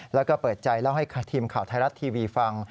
แล้วก็เปิดใจเล่าให้ทีมข่าวไทยรัฐทีวีฟัง